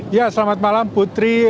ya selamat malam putri